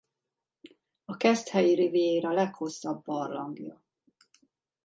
A Keszthelyi-riviéra leghosszabb barlangja.